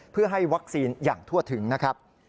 เพื่อให้วัคซีนอย่างทั่วถึงนะครับ